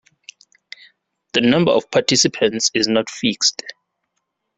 The number of participants is not fixed.